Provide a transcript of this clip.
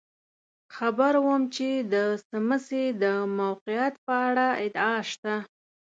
خبر وم چې د څمڅې د موقعیت په اړه ادعا شته.